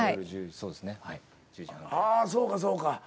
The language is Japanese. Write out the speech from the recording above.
はあそうかそうか。